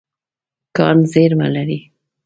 کان زیرمه لري.